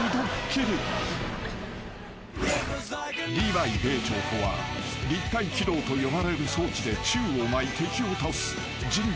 ［リヴァイ兵長とは立体機動と呼ばれる装置で宙を舞い敵を倒す人類